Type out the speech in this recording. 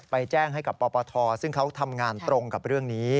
แจ้งให้กับปปทซึ่งเขาทำงานตรงกับเรื่องนี้